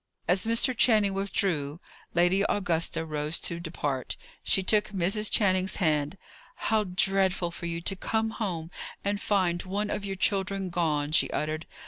As Mr. Channing withdrew, Lady Augusta rose to depart. She took Mrs. Channing's hand. "How dreadful for you to come home and find one of your children gone!" she uttered.